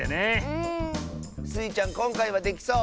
うん。スイちゃんこんかいはできそう？